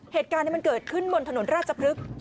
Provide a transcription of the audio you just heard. เหตุการณ์นี้มันเกิดขึ้นบนถนนราชพฤกษ์